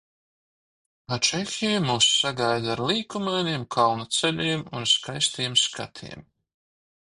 Čehija mūs sagaida ar līkumainiem kalnu ceļiem un skaistiem skatiem.